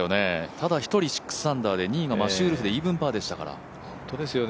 ただ１人６アンダーで２位がマシュー・ウルフでしたから。